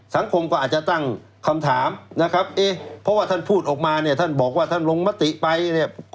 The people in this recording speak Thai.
สังคมก็อาจจะตั้งคำถามนะครับเอ๊ะเพราะว่าท่านพูดออกมาเนี่ยท่านบอกว่าท่านลงมติไปเนี่ย